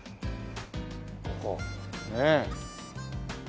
ここねえ。